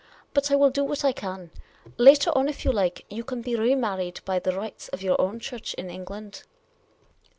But I will do what I can ; later on, if you like, you can be re married by the rites of your own Church in England."